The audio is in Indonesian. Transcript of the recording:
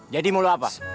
jadi mau lo apa